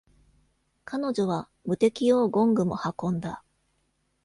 彼女は霧笛用ゴングも運んだ。